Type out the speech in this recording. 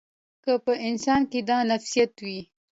که په انسان کې دا نفسیات وي.